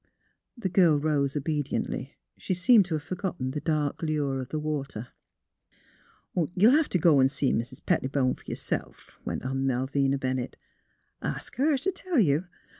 '' The girl rose obediently. She seemed to have forgotten the dark lure of the water. " You'll hev t' go an' see Mis' Pettibone fer yourself," went on Malvina Bennett. " Ask her t' tell you.